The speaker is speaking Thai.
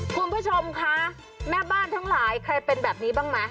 คุณผู้ชมคะแม่บ้านทั้งหลายใครเป็นแบบนี้บ้างไหม